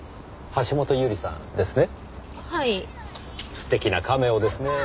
素敵なカメオですねぇ。